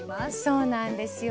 そうなんですよね。